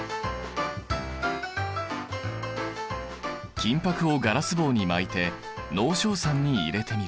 金ぱくをガラス棒に巻いて濃硝酸に入れてみる。